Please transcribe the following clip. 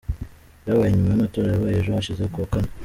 byabaye nyuma y’amatora yabaye ejo hashize ku wa Kane.